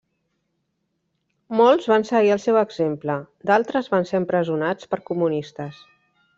Molts van seguir el seu exemple, d'altres van ser empresonats per comunistes.